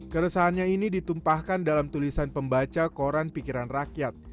keresahannya ini ditumpahkan dalam tulisan pembaca koran pikiran rakyat